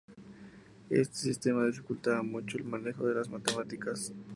Este sistema dificultaba mucho el manejo de las matemáticas.